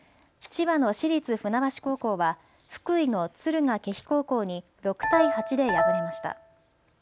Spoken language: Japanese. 千葉の市立船橋高校は福井の敦賀気比高校に６対８で敗れました。